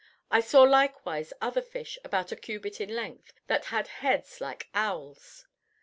I saw likewise other fish about a cubit in length, that had heads like owls.